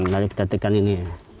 lalu kita tekan ini